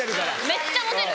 めっちゃモテる。